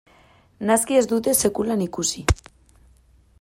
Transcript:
Naski ez dute sekulan ikusi.